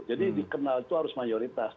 jadi dikenal itu harus mayoritas